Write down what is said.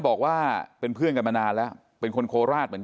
ถ้ามาพูดคนอื่น